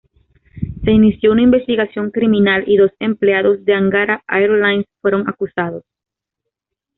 Se inició una investigación criminal y dos empleados de Angara Airlines fueron acusados.